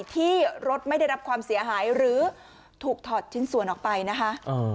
ที่รถไม่ได้รับความเสียหายหรือถูกถอดชิ้นส่วนออกไปนะคะ